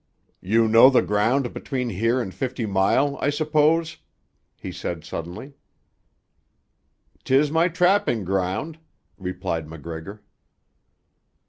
"You know the ground between here and Fifty Mile, I suppose?" he said suddenly. "'Tis my trapping ground," replied MacGregor.